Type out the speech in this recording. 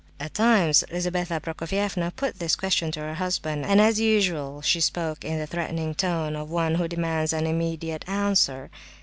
At times Lizabetha Prokofievna put this question to her husband, and as usual she spoke in the threatening tone of one who demands an immediate answer.